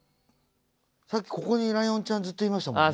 さっきここにライオンちゃんずっといましたもんね。